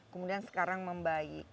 kemudian sekarang membaik